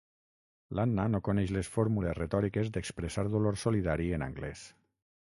L'Anna no coneix les fórmules retòriques d'expressar dolor solidari en anglès.